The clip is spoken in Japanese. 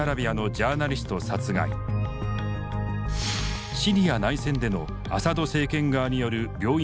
シリア内戦でのアサド政権側による病院空爆の実態。